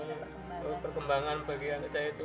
nggak ada perkembangan bagi anak saya itu